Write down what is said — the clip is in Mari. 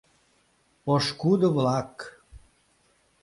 — Пошкудо-влак!